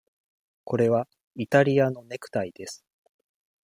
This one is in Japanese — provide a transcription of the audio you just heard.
これはイタリアのネクタイです。